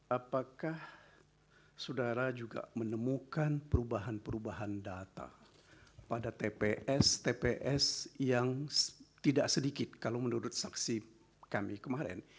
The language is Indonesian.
apakah saudara juga menemukan perubahan perubahan data pada tps tps yang tidak sedikit kalau menurut saksi kami kemarin